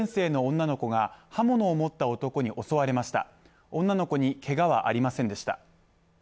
女の子にけがはありませんでした。